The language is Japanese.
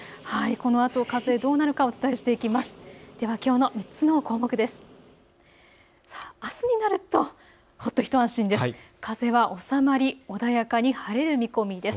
このあと風どうなるかお伝えしていきます。